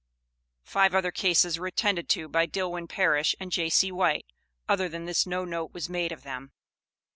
["Five other cases were attended to by Dillwyn Parish and J.C. White" other than this no note was made of them.